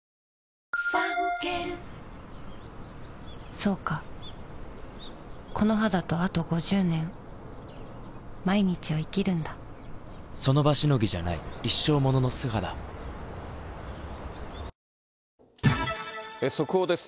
そうかこの肌とあと５０年その場しのぎじゃない一生ものの素肌速報です。